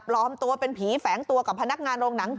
ปลอมตัวเป็นผีแฝงตัวกับพนักงานโรงหนัง